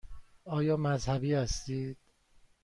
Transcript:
آیا مذهبی هستید؟